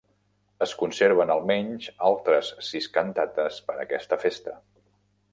Es conserven, almenys, altres sis cantates per a aquesta festa.